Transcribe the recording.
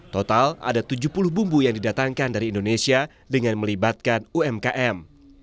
total ada tujuh puluh bumbu yang didatangkan dari indonesia dengan melibatkan umkm